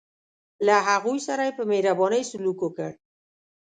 له هغوی سره یې په مهربانۍ سلوک وکړ.